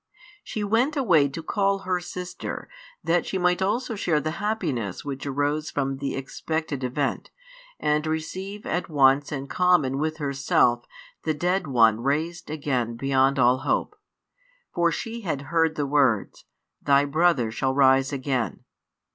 She went away to call her sister, that she also might share the happiness which arose from the expected event, and receive at once in common with herself the dead one raised again beyond all hope. For she had heard the words: Thy brother shall rise again.